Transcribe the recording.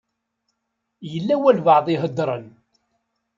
Yella walebɛaḍ i iheddṛen.